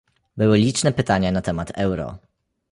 Były liczne pytania na temat euro